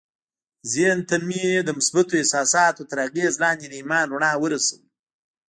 ذهن ته مو د مثبتو احساساتو تر اغېز لاندې د ايمان رڼا ورسوئ.